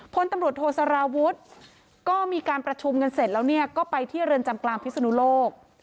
พลตำรวจโทษสารวุฒิก็มีการประชุมกันเสร็จแล้วเนี่ยก็ไปที่เรือนจำกลางพิศนุโลก